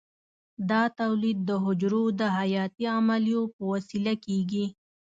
دا تولید د حجرو د حیاتي عملیو په وسیله کېږي.